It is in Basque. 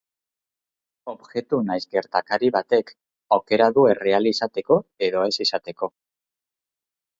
Objektu nahiz gertakari batek aukera du erreal izateko edo ez izateko.